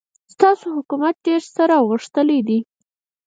ستاسو حکومت ډېر ستر او غښتلی دی.